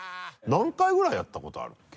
何回ぐらいやったことあるっけ？